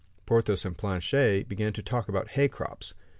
Porthos and Planchet began to talk about hay crops.